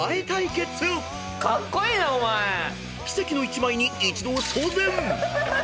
［奇跡の１枚に一同騒然！］